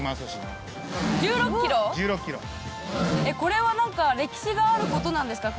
これは何か歴史があることなんですか？